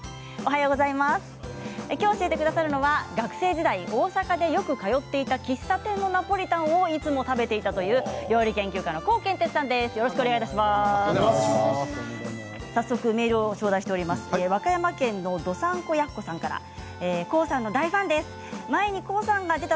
今日、教えてくださるのは学生時代、大阪でよく通っていた喫茶店のナポリタンをいつも食べていたという料理研究家のコウケンテツさんです。